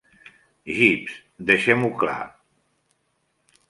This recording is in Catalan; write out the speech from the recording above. Jeeves, deixem-ho clar.